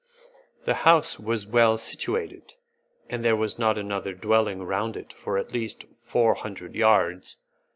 The house was well situated, and there was not another dwelling around it for at least four hundred yards.